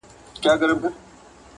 او اثارو ته یې ګوته ونیول شې